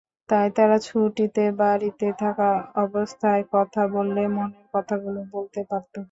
তাই তারা ছুটিতে বাড়িতে থাকা অবস্থায় কথা বললে মনের কথাগুলো বলতে পারত।